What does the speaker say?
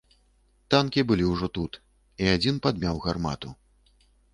Танкі былі ўжо тут, і адзін падмяў гармату.